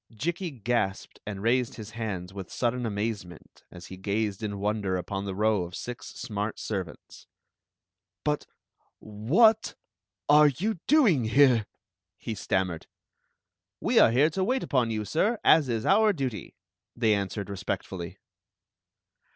Jikki gasped and raised his hands with sudden amazement as he gazed in wonder upon the row of six smart servants. "But — what— are you doing here?" he stam mered "We are here to wait upon you, sir, as is our duty," they answered respectfully.